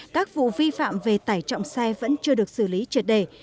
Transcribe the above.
các vụ vi phạm về tải trọng xe vẫn chưa được xử lý triệt đề